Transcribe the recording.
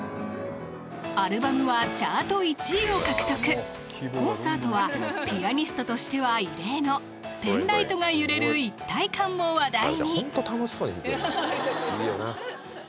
アルバムはチャート１位を獲得コンサートはピアニストとしては異例のペンライトが揺れる一体感も話題にホント楽しそうに弾いてるよなぁいいよな